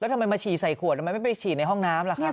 ทำไมมาฉีดใส่ขวดทำไมไม่ไปฉีดในห้องน้ำล่ะครับ